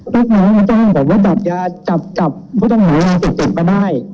ลูกน้องก็ต้องบอกว่าจับผู้ต้องหาเท่านั้นเสพติดไปได้